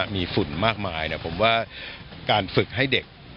มีฝุ่นมากมายผมว่าการฝึกให้เด็ก